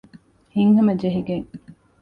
ހިތްހަމަ ޖެހިގެން